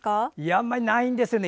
あんまりないんですね。